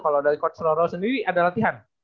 kalau dari coach loro sendiri ada latihan